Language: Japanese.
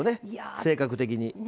性格的に。